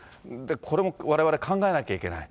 これもわれわれ、考えなきゃいけない。